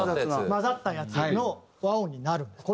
混ざったやつの和音になるんです。